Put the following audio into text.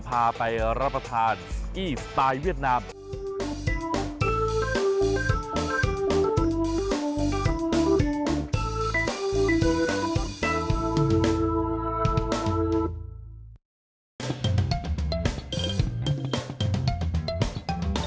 โปรดติดตามตอนต่อไป